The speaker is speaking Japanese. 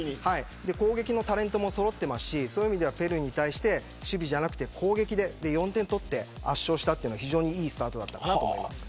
攻撃のタレントもそろっていますしペルーに対して守備じゃなくて攻撃で４点を取って圧勝したというのはいいスタートだったと思います。